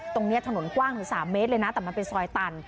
ตรงนี้ถนนกว้างถึง๓เมตรเลยนะแต่มันเป็นซอยตัน